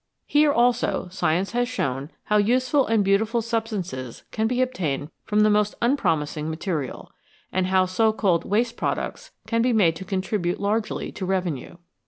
Here also science has shown how useful and beautiful substances can be obtained from the most unpromising material, and how so called waste products can be made to contribute largely to revenue.